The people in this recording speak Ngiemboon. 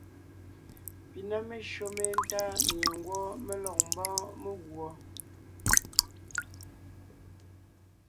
Pi ná meshÿó méntá mie ngwɔ́ mé lɔg ḿbɔ́ɔn meguɔ.